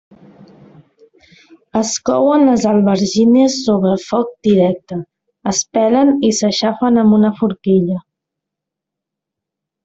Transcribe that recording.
Es couen les albergínies sobre foc directe, es pelen i s'aixafen amb una forquilla.